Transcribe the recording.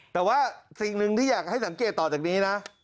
แต่ว่าสิ่งหนึ่งที่อยากให้สังเกตต่อจากนี้นะ